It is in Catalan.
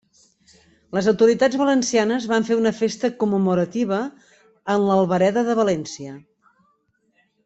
Les autoritats valencianes van fer una festa commemorativa en l'Albereda de València.